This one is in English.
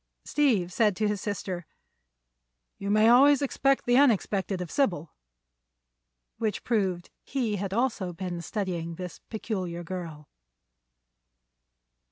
Steve said to his sister: "You may always expect the unexpected of Sybil." Which proved he had also been studying this peculiar girl.